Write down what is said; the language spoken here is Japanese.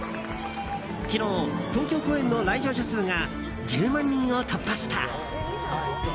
昨日、東京公演の来場者数が１０万人を突破した。